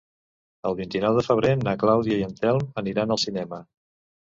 El vint-i-nou de febrer na Clàudia i en Telm aniran al cinema.